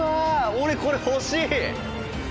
俺、これ欲しい！」